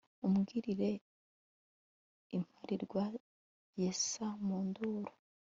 umbwirire imparirwa yesa mu nduru